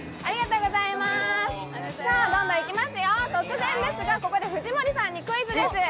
どんどんいきますよ、突然ですがここで藤森さんにクイズです。